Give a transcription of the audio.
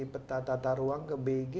peta tata ruang ke bg